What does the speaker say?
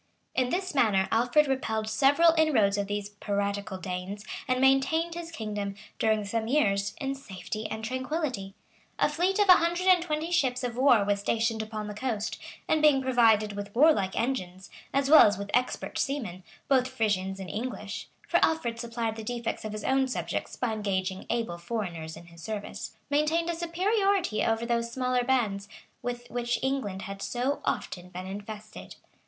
] In this manner Alfred repelled several inroads of these piratical Danes, and maintained his kingdom, during some years, in safety and tranquillity. A fleet of a hundred and twenty ships of war was stationed upon the coast; and being provided with warlike engines, as well as with expert seamen, both Frisians and English, (for Alfred supplied the defects of his own subjects by engaging able foreigners in his service,) maintained a superiority over those smaller bands, with which England had so often been infested.